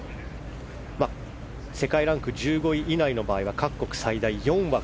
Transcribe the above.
世界ランク１５位以内の場合は各国最大４枠。